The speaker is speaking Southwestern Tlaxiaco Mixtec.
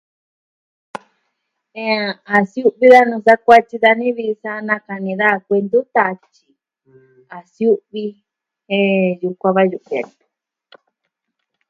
Ah... a siu'vi a nuu sa kuatyi dani vi sa nakani daa kuentu tatyi a siu'vi jen yukuan va yu kuentu.